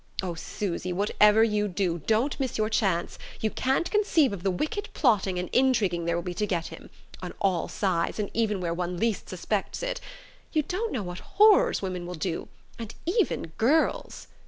Oh, Susy, whatever you do, don't miss your chance! You can't conceive of the wicked plotting and intriguing there will be to get him on all sides, and even where one least suspects it. You don't know what horrors women will do and even girls!"